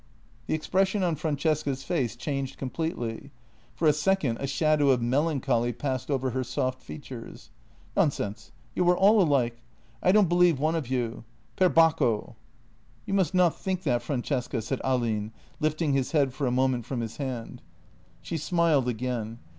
The expression on Francesca's face changed completely; for a second a shadow of melancholy passed over her soft features. "Nonsense! You are all alike. I don't believe one of you. Per Bacco! " "You must not think that, Francesca," said Ahlin, lifting his head for a moment from his hand. She smiled again.